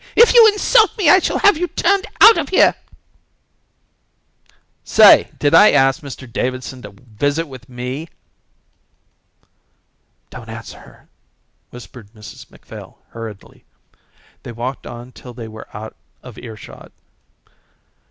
"If you insult me I shall have you turned out of here." "Say, did I ask Mr Davidson to visit with me?" "Don't answer her," whispered Mrs Macphail hurriedly. They walked on till they were out of earshot.